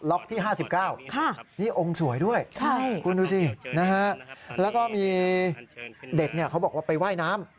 ที่๕๙นี่องค์สวยด้วยคุณดูสินะฮะแล้วก็มีเด็กเขาบอกว่าไปว่ายน้ำ